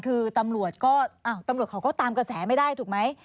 คือตำรวจเขาก็ตามเกษตรไม่ได้ถูกไหม